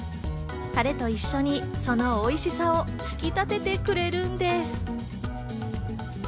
タレと一緒にそのおいしさを引き立ててくれるんです。